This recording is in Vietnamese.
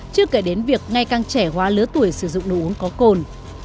chứ kể đến việc ngay càng trẻ hóa lứa tuổi sử dụng nụ uống có cồn